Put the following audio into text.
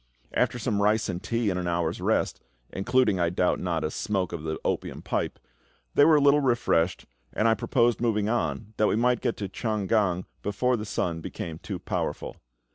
After some rice and tea and an hour's rest including, I doubt not, a smoke of the opium pipe they were a little refreshed, and I proposed moving on, that we might get to Chang gan before the sun became too powerful.